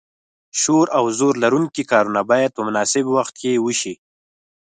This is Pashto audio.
شور او زور لرونکي کارونه باید په مناسب وخت کې وشي.